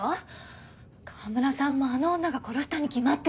川村さんもあの女が殺したに決まってる。